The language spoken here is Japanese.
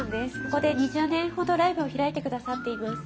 ここで２０年ほどライブを開いてくださっています。